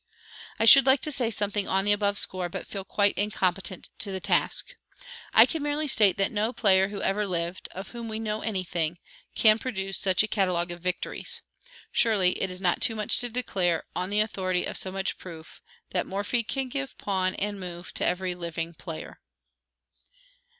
I should like to say something on the above score, but feel quite incompetent to the task. I can merely state that no player who ever lived, (of whom we know any thing,) can produce such a catalogue of victories. Surely, it is not too much to declare, on the authority of so much proof, that MORPHY CAN GIVE PAWN AND MOVE TO EVERY LIVING PLAYER.